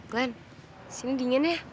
glenn sini dingin ya